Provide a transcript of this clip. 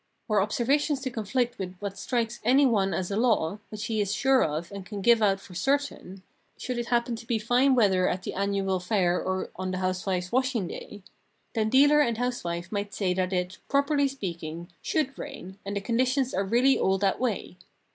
Were observations to conflict with what strikes any one as a law, which he is sure of and can give out for cer tain — should it happen to be fine weather at the annual fair or on the housewife's washing day — then dealer and housewife might say that it, properly speaking, should rain, and the conditions are really all that way.